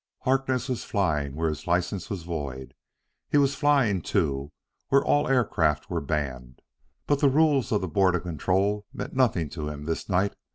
Harkness was flying where his license was void; he was flying, too, where all aircraft were banned. But the rules of the Board of Control meant nothing to him this night.